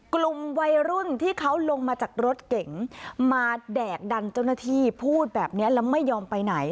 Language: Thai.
กลุ่มวัยรุ่นที่เขาลงมาจากรถเก๋งมาแดกดันเจ้าหน้าที่พูดแบบนี้แล้วไม่ยอมไปไหน